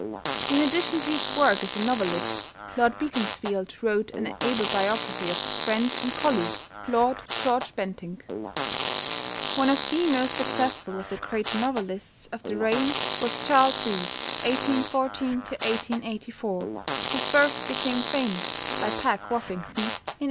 In addition to his work as a novelist, Lord Beaconsfield wrote an able biography of his friend and colleague, Lord George Bentinck. One of the most successful of the greater novelists of the reign was =Charles Reade (1814 1884)=, who first became famous by "Peg Woffington" in 1852.